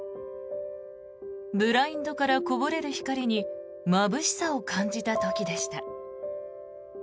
ブラインドからこぼれる光にまぶしさを感じた時でした。